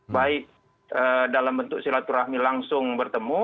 baik dalam bentuk silaturahmi langsung bertemu